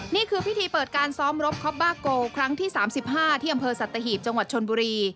นี่คือพิธีเปิดการซ้อมรบคอปบ้าโกครั้งที่๓๕ที่อำเภอสัตหีบจังหวัดชนบุรี